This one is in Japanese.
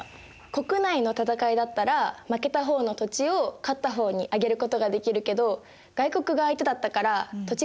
国内の戦いだったら負けた方の土地を勝った方にあげることができるけど外国が相手だったから土地が手に入らなかったんじゃない？